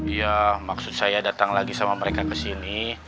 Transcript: iya maksud saya datang lagi sama mereka kesini